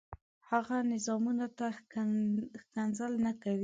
هغه نظامونو ته ښکنځل نه کوي.